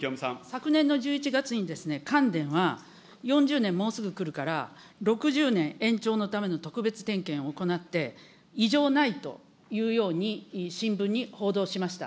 昨年の１１月に、関電は４０年もうすぐくるから、６０年延長のための特別点検を行って、異常ないというふうに新聞に報道しました。